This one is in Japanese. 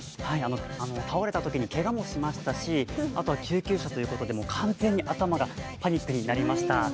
倒れたときにけがもしましたし、あとは救急車ということで、完全に頭がパニックになりました。